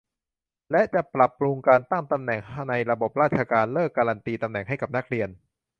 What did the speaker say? และจะปรับปรุงการตั้งตำแหน่งในระบบราชการ เลิกการันตีตำแหน่งให้กับนักเรียน